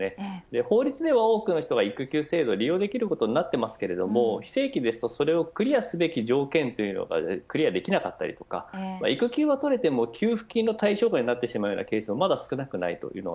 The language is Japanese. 法律では多くの人が育休制度を利用できることになっていますが非正規だとクリアすべき条件がクリアできなかったり育休はとれても給付金の対象外になってしまうケースもまだ少なくないです。